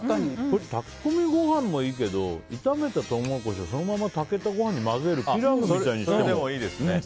炊き込みご飯もいいけど炒めたトウモロコシをそのまま炊けたごはんに混ぜるピラフみたいにしても。